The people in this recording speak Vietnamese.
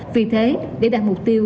vì thế để đạt mục tiêu